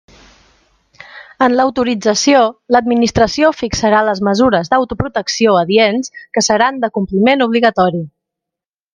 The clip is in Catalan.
En l'autorització, l'Administració fixarà les mesures d'autoprotecció adients que seran de compliment obligatori.